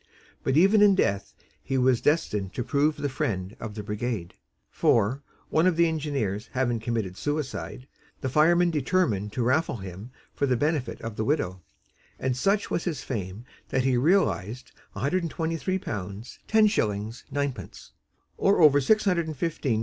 But even in death he was destined to prove the friend of the brigade. For, one of the engineers having committed suicide, the firemen determined to raffle him for the benefit of the widow, and such was his fame that he realized 123 pounds 10 shillings, 9 pence, or over $615 in American money!